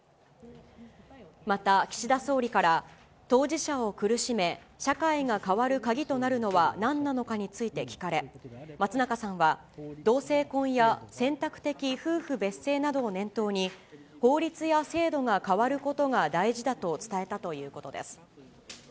また岸田総理から当事者を苦しめ、社会が変わる鍵となるのはなんなのかについて聞かれ、松中さんは、同性婚や選択的夫婦別姓などを念頭に、法律や制度が変わることが大事だと伝えたということです。